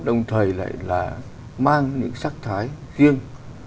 đồng thời lại là mang những sắc thái riêng